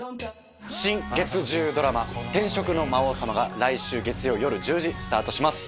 新月１０ドラマ「転職の魔王様」が来週月曜夜１０時スタートします。